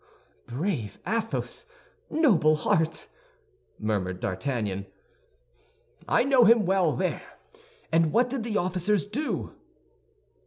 '" "Bravo, Athos! Noble heart!" murmured D'Artagnan. "I know him well there! And what did the officers do?"